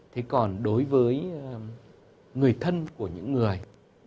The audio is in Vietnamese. thế còn đối với người thân của những người